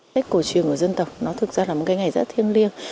tết cổ truyền của dân tộc nó thực ra là một cái ngày rất thiêng liêng